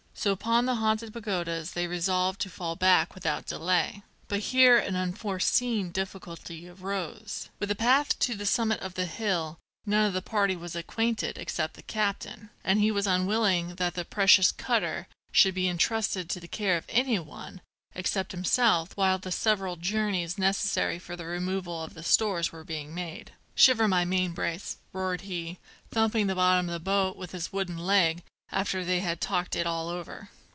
So upon the Haunted Pagodas they resolved to fall back without delay. But here an unforeseen difficulty arose. With the path to the summit of the hill none of the party was acquainted except the captain, and he was unwilling that the precious cutter should be entrusted to the care of any one except himself while the several journeys necessary for the removal of the stores were being made. "Shiver my main brace!" roared he, thumping the bottom of the boat with his wooden leg after they had talked it all over.